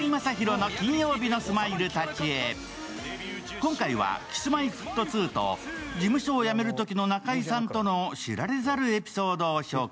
今回はＫｉｓ−Ｍｙ−Ｆｔ２と事務所を辞めるときの中居さんとの知られざるエピソードを紹介。